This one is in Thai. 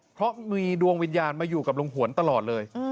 เพราะมีดวงวิญญาณมาอยู่กับลุงหวนตลอดเลย